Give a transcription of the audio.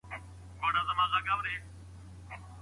که ازموینه ویرونکې وي نو زده کوونکي وارخطا کیږي.